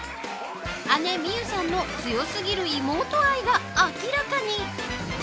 姉・望結さんの強すぎる妹愛が明らかに。